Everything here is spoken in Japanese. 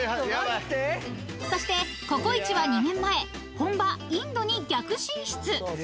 ［そしてココイチは２年前本場インドに逆進出］